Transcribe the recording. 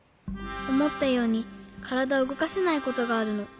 おもったようにからだをうごかせないことがあるの。